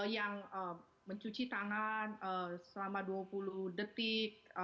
yang mencuci tangan selama dua puluh detik